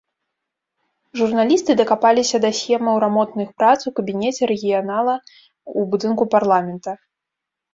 Журналісты дакапаліся да схемаў рамонтных прац ў кабінеце рэгіянала ў будынку парламента.